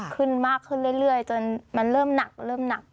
ขึ้นมากขึ้นเรื่อยจนมันเริ่มหนัก